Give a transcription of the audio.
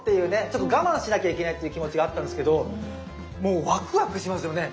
ちょっと我慢しなきゃいけないっていう気持ちがあったんですけどもうワクワクしますよね。